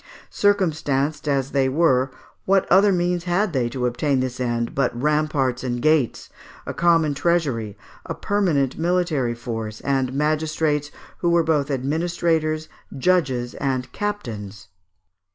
Circumstanced as they were, what other means had they to attain this end but ramparts and gates, a common treasury, a permanent military force, and magistrates who were both administrators, judges, and captains?